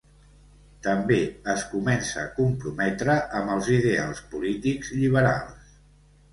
També es comença a comprometre amb els ideals polítics lliberals.